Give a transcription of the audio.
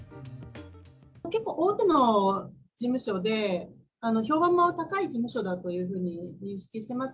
結構、大手の事務所で、評判も高い事務所だというふうに認識しています。